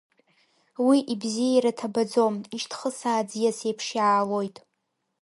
Уи ибзеира ҭабаӡом, ишьҭхысаа аӡиас еиԥш иаалоит…